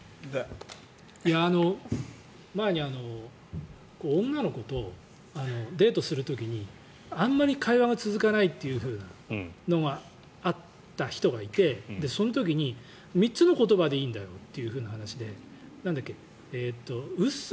前に女の子とデートする時にあまり会話が続かないというのがあった人がいてその時に、３つの言葉でいいんだよという話でなんだっけ、嘘？